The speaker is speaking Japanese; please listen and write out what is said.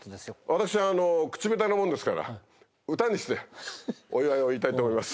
私は口下手なもんですから歌にしてお祝いを言いたいと思います。